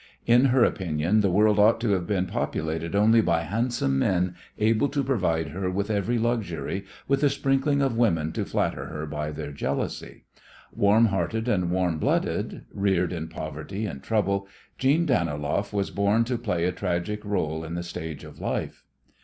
In her opinion the world ought to have been populated only by handsome men able to provide her with every luxury, with a sprinkling of women to flatter her by their jealousy. Warm hearted and warm blooded, reared in poverty and trouble, Jeanne Daniloff was born to play a tragic rôle on the stage of life.